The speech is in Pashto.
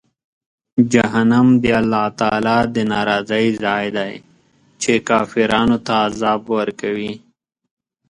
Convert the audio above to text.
جهنم د الله تعالی د ناراضۍ ځای دی، چې کافرانو ته عذاب ورکوي.